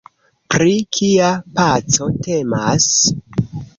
Pri kia paco temas?